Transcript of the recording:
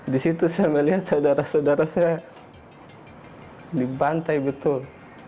disitu saya melihat saudara saudara saya dibantai betul